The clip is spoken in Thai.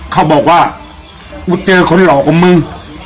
เขาบอกว่ากูเจอคนหลอกกับมึง